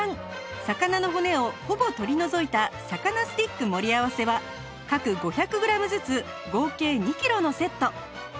魚の骨をほぼ取り除いた魚スティック盛り合わせは各５００グラムずつ合計２キロのセット